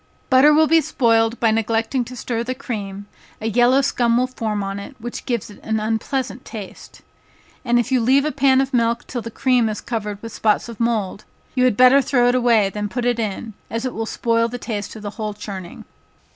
Butter will be spoiled by neglecting to stir the cream, a yellow scum will form on it, which gives it an unpleasant taste. And if you leave a pan of milk till the cream is covered with spots of mould, you had better throw it away than put it in, as it will spoil the taste of a whole churning.